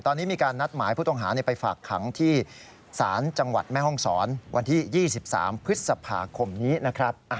ตอนนี้มีการนัดหมายผู้ต้องหาไปฝากขังที่ศาลจังหวัดแม่ห้องศรวันที่๒๓พฤษภาคมนี้นะครับ